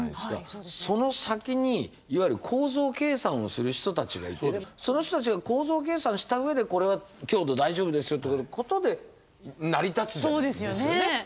その先にいわゆる構造計算をする人たちがいてねその人たちが構造計算したうえでこれは強度大丈夫ですよってことで成り立つんですよね。